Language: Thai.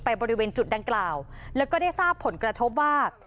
บริเวณจุดดังกล่าวแล้วก็ได้ทราบผลกระทบว่า